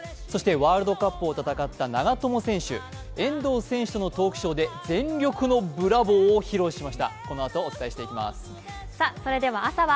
ワールドカップを戦った長友選手、遠藤選手とのトークショーで全力のブラボーを披露しました。